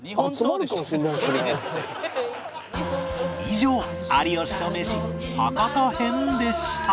以上有吉とメシ博多編でした